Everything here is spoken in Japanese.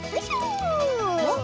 おっ。